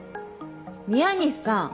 宮西さん